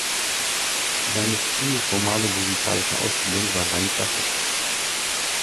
Seine frühe formale musikalische Ausbildung war rein klassisch.